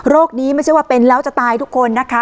นี้ไม่ใช่ว่าเป็นแล้วจะตายทุกคนนะคะ